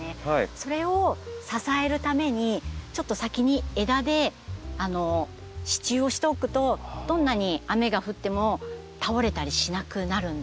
それを支えるためにちょっと先に枝で支柱をしておくとどんなに雨が降っても倒れたりしなくなるんですよ。